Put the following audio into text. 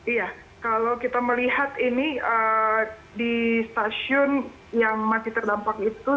iya kalau kita melihat ini di stasiun yang masih terdampak itu